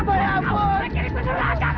jangan berusaha yang benar